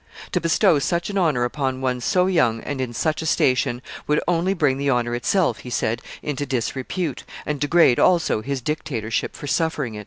To bestow such an honor upon one so young and in such a station, would only bring the honor itself, he said, into disrepute, and degrade, also, his dictatorship for suffering it.